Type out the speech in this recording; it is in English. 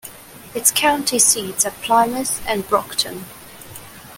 Its county seats are Plymouth and Brockton.